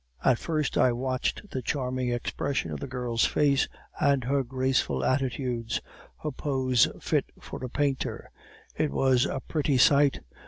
At first I watched the charming expression of the girl's face and her graceful attitudes, her pose fit for a painter. It was a pretty sight.